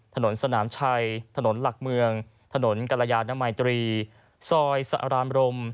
ถนนสนามชัยถนนหลักเมืองถนนกรยานมัยตรีซอยสรามรม